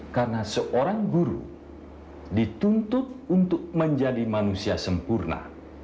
karena seorang guru dituntut untuk menjadi manusia sempurna